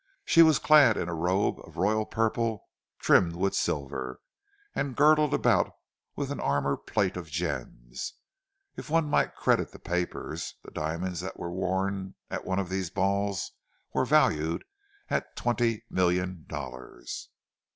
She was clad in a robe of royal purple trimmed with silver, and girdled about with an armour plate of gems. If one might credit the papers, the diamonds that were worn at one of these balls were valued at twenty million dollars.